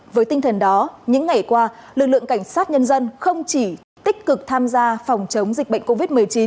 với tinh thần đó những ngày qua lực lượng cảnh sát nhân dân không chỉ tích cực tham gia phòng chống dịch bệnh covid một mươi chín